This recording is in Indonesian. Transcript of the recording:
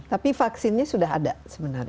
tapi vaksinnya sudah ada sebenarnya